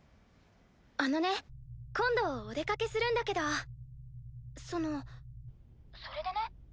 あのね今度お出かけするんだけどそのそれでね。